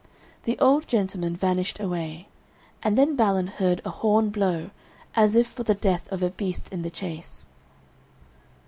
The old gentleman vanished away, and then Balin heard a horn blow, as if for the death of a beast in the chase.